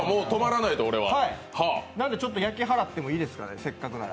なので焼き払ってもいいですか、せっかくなら。